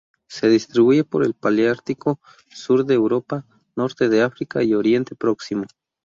Se distribuye por el paleártico: sur de Europa, norte de África y Oriente Próximo.